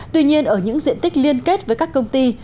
tuy nhiên ở những diện tích liên kết với các công ty